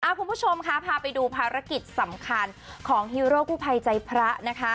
คุณผู้ชมค่ะพาไปดูภารกิจสำคัญของฮีโร่กู้ภัยใจพระนะคะ